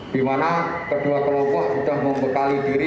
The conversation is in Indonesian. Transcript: di mana kedua kelompok sudah membekali diri